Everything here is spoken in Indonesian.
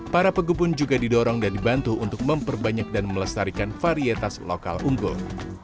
para pegebun juga didorong dan dibantu untuk memperbanyak dan melestarikan varietas lokal unggul